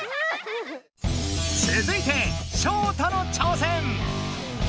続いてショウタの挑戦！